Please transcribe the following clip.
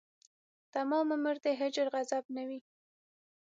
تمام عمر دې د هجر غضب نه وي